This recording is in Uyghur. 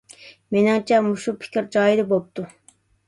مېنىڭچە، مۇشۇ پىكىر جايىدا بوپتۇ.